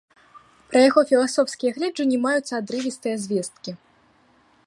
Пра яго філасофскія гледжанні маюцца адрывістыя звесткі.